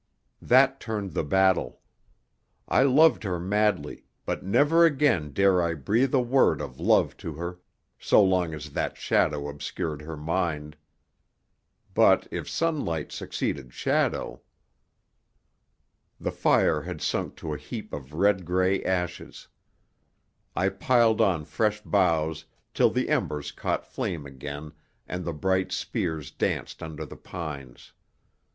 That turned the battle. I loved her madly, but never again dare I breathe a word of love to her so long as that shadow obscured her mind. But if sunlight succeeded shadow The fire had sunk to a heap of red grey ashes. I piled on fresh boughs till the embers caught flame again and the bright spears danced under the pines.